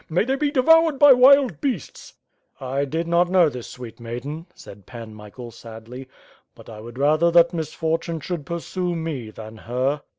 May they be devoured by wild beasts." "I did not know this sweet maiden," said Pan Michael sadly, 'Tjut T wonld TpiHer that misfortune should pursue me than her.'